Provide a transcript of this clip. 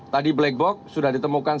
tadi black box sudah ditemukan